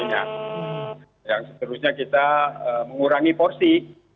yang seterusnya kita mengurangi porsi